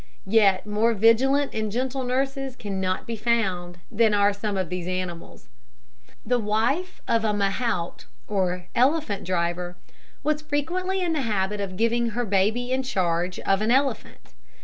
Yet more vigilant and gentle nurses cannot be found than are some of these animals. The wife of a mahout, or elephant driver, was frequently in the habit of giving her baby in charge of an elephant.